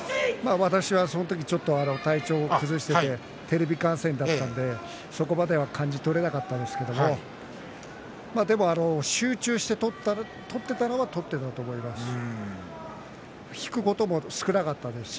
私は、その時体調を崩していてテレビ観戦だけだったのでそこまで分からなかったですけれども集中して取っていたと思いますし引くことも少なかったですし